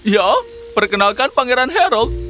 ya perkenalkan pangeran harold